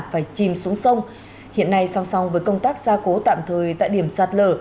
phải chìm xuống sông hiện nay song song với công tác gia cố tạm thời tại điểm sạt lở